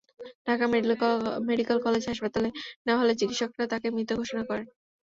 Dhaka medical college হাসপাতালে নেওয়া হলে চিকিৎসকেরা তাঁকে মৃত ঘোষণা করেন।